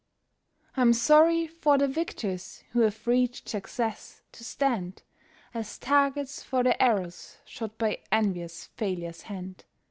I'm sorry for the victors who have reached success, to stand As targets for the arrows shot by envious failure's hand.